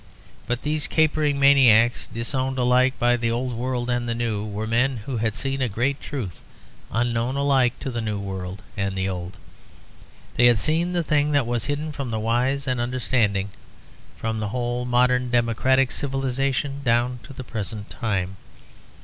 But these capering maniacs, disowned alike by the old world and the new, were men who had seen a great truth unknown alike to the new world and the old. They had seen the thing that was hidden from the wise and understanding, from the whole modern democratic civilization down to the present time.